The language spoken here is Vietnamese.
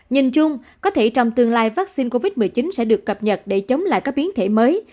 nhìn chung có thể trong tương lai vaccine covid một mươi chín sẽ được cập nhật để chống lại các biến thể mới